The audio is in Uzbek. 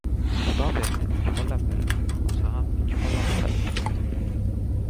• Xudo bersa ikki qo‘llab beradi, olsa ham ikki qo‘llab oladi.